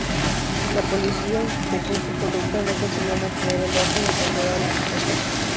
La policía, incompetente y corrupta, no conseguía mantener el orden ni controlar la situación.